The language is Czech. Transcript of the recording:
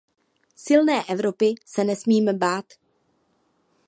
Silné Evropy se nesmíme bát.